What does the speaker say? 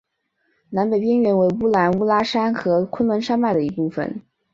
南北边缘为乌兰乌拉山和昆仑山脉的一部分。